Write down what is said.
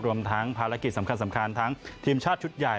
รวมทั้งภารกิจสำคัญทั้งทีมชาติชุดใหญ่